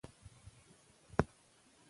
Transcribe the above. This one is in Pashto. شامپو ژر مه بدلوی.